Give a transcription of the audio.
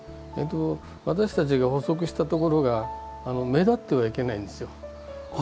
私たちが補足したところが目立ってはいけないんですよ。